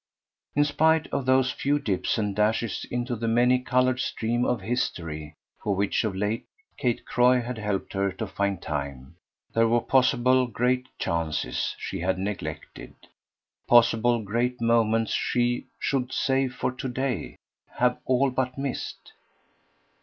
In spite of those few dips and dashes into the many coloured stream of history for which of late Kate Croy had helped her to find time, there were possible great chances she had neglected, possible great moments she should, save for to day, have all but missed.